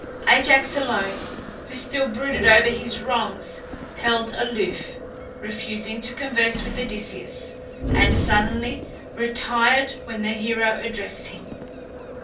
Ajax alone, who still brooded over his wrongs, held aloof, refusing to converse with Odysseus, and sullenly retired when the hero addressed him.